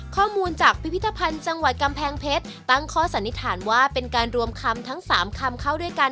ข้อมูลจากพิพิธภัณฑ์จังหวัดกำแพงเพชรตั้งข้อสันนิษฐานว่าเป็นการรวมคำทั้งสามคำเข้าด้วยกัน